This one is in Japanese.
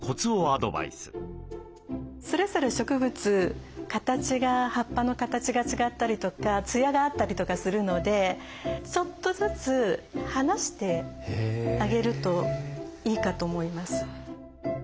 それぞれ植物葉っぱの形が違ったりとかつやがあったりとかするのでちょっとずつ離してあげるといいかと思います。